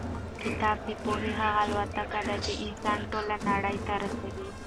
کتاب د پوهې هغه الوتکه ده چې انسان ټولې نړۍ ته رسوي.